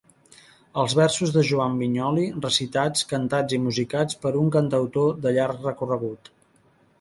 Els versos de Joan Vinyoli, recitats, cantats i musicats per un cantautor de llarg recorregut.